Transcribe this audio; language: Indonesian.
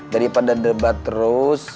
daripada debat terus